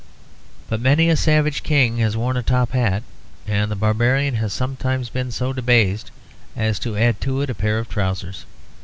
But many a savage king has worn a top hat, and the barbarian has sometimes been so debased as to add to it a pair of trousers.